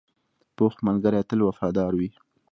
پوخ ملګری تل وفادار وي